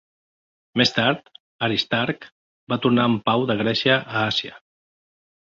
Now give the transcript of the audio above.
Més tard, Aristarc va tornar amb Pau de Grècia a Àsia.